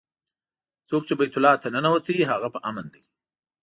څوک چې بیت الله ته ننوت هغه په امن دی.